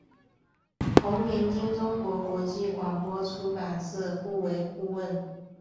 同年经中国国际广播出版社雇为顾问。